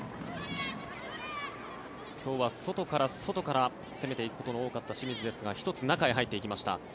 今日は外から外から攻めていくことの多かった清水ですが１つ、中へ入っていきました。